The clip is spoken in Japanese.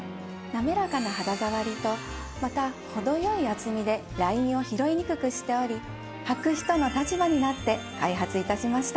滑らかな肌触りとまた程良い厚みでラインを拾いにくくしておりはく人の立場になって開発致しました。